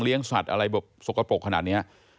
สัตว์อะไรแบบสกปรกขนาดนี้